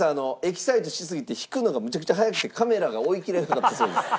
エキサイトしすぎて引くのがむちゃくちゃ早くてカメラが追いきれなかったそうです。